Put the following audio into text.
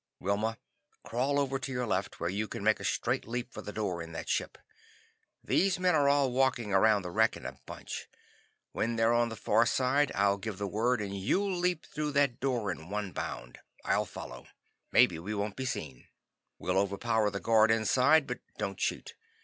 "Wilma, crawl over to your left where you can make a straight leap for the door in that ship. These men are all walking around the wreck in a bunch. When they're on the far side, I'll give the word and you leap through that door in one bound. I'll follow. Maybe we won't be seen. We'll overpower the guard inside, but don't shoot.